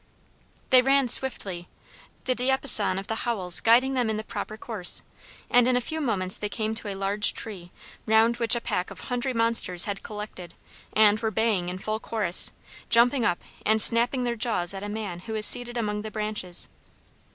They ran swiftly, the diapason of the howls guiding them in the proper course, and in a few moments they came to a large tree, round which a pack of hungry monsters had collected, and were baying in full chorus, jumping up and snapping their jaws at a man who was seated among the branches.